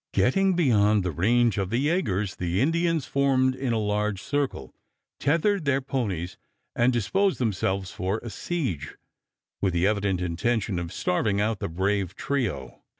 Getting beyond the range of the yagers the Indians formed in a large circle, tethered their ponies, and disposed themselves for a siege, with the evident intention of starving out the brave trio.